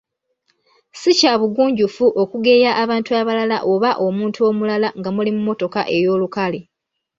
Ssi kya bugunjufu okugeya abantu abalala oba omuntu omulala nga muli mu mmotoka ey’olukale.